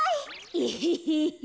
エヘヘヘ。